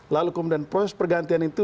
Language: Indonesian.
lalu kemudian proses pergantian itu